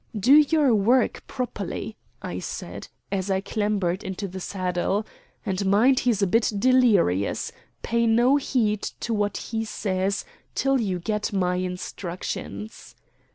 "Do your work properly," I said as I clambered into the saddle, "and mind he's a bit delirious. Pay no heed to what he says till you get my instructions."